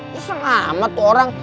lu seng amat tuh orang